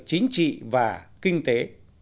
chính trị và kinh tế